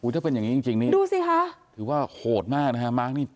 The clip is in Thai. ถ้าเป็นอย่างนี้จริงนี่ดูสิคะถือว่าโหดมากนะฮะมาร์คนี่